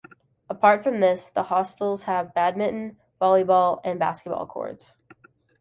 Apart from this, the hostels have badminton, volleyball and Basketball courts.